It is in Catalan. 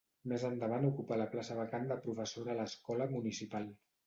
Més endavant ocupà la plaça vacant de professora a l'Escola Municipal.